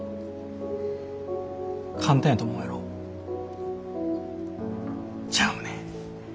簡単やと思うやろ？ちゃうねん。